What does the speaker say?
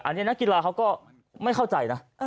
อันนี้นักกีฬาเขาก็ไม่เข้าใจนะ